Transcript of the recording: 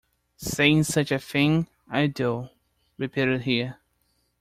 “Saying such a thing!” “I do,” repeated he.